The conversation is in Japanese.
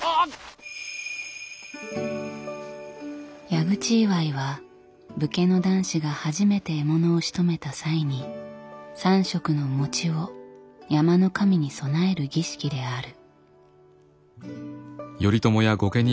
矢口祝いは武家の男子が初めて獲物をしとめた際に３色の餅を山の神に供える儀式である。